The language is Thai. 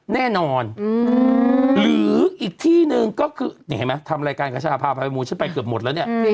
แน่นอนหรืออีกที่หนึ่งก็คือนี่เห็นไหมทำรายการกระชาพาพายมูลฉันไปเกือบหมดแล้วเนี่ย